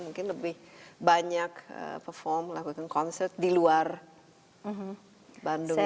mungkin lebih banyak perform lakukan konsert di luar bandung itu sendiri